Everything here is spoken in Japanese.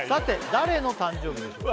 誰の誕生日でしょう？